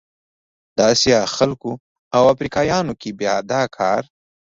د اسیا خلکو او افریقایانو کې بیا دا کار